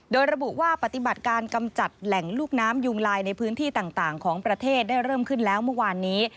โดยระบุว่าปฏิบัติการกำจัดแหล่งลูกน้ำยุงลายในพื้นที่ต่างของประเทศได้เริ่มขึ้นแล้วเมื่อวานนี้